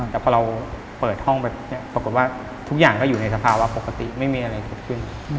แต่พอเราเปิดห้องไปปรากฏว่าทุกอย่างก็อยู่ในสภาวะปกติไม่มีอะไรเกิดขึ้น